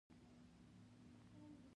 اوړه د ګرمې ډوډۍ راز دي